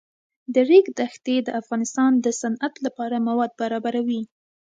د ریګ دښتې د افغانستان د صنعت لپاره مواد برابروي.